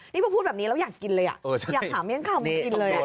นี่พอพูดแบบนี้แล้วอยากกินเลยอยากหาเลี้ยงข้าวมากินเลย